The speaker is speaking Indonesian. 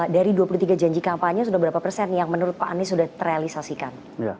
dari dua puluh tiga janji kampanye sudah berapa persen yang menurut pak anies sudah terrealisasikan